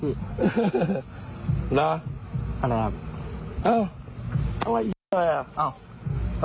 เอ้าฉิบอะไรเอ้า